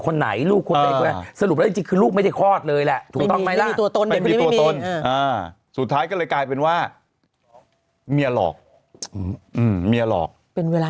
นานมากนะเถอะ